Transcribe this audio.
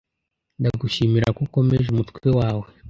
Ndagushimira ko ukomeje umutwe wawe.